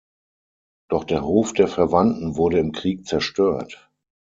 Doch der Hof der Verwandten wurde im Krieg zerstört.